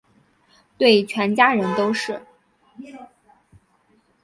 对全家人都是